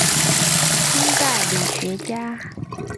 清代理学家。